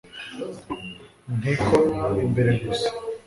ntikomwa imbere gusa